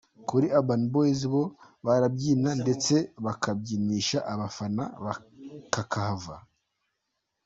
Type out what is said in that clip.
Kuri urban boyz bo barabyina ndetse bakabyinisha abafana kakahava.